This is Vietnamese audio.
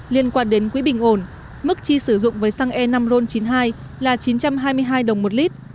liên quan đến quỹ bình ổn mức chi sử dụng với xăng e năm ron chín mươi hai là chín trăm hai mươi hai đồng một lít